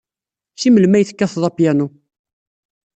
Seg melmi ay tekkated apyanu?